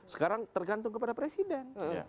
sekarang tergantung kepada presiden